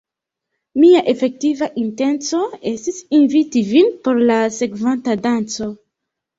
Mia efektiva intenco estis inviti vin por la sekvanta danco.